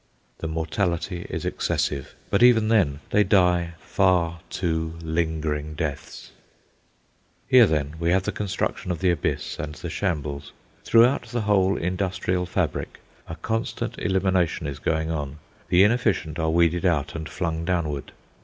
The mortality is excessive, but, even then, they die far too lingering deaths. Here, then, we have the construction of the Abyss and the shambles. Throughout the whole industrial fabric a constant elimination is going on. The inefficient are weeded out and flung downward.